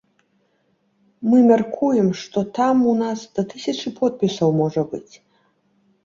Мы мяркуем, што там у нас да тысячы подпісаў можа быць.